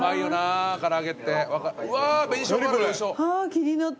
気になった。